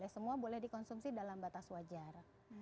semua boleh dikonsumsi dalam batas wajar